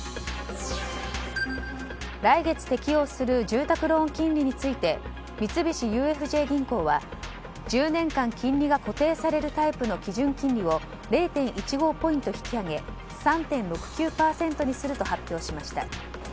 来月適用する住宅ローン金利について三菱ＵＦＪ銀行は１０年間金利が固定されるタイプの基準金利を０．１５ポイント引き上げ３．６９％にすると発表しました。